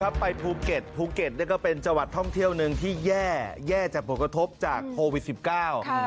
ไปภูเก็ตภูเก็ตเนี่ยก็เป็นจังหวัดท่องเที่ยวหนึ่งที่แย่แย่จากผลกระทบจากโควิดสิบเก้า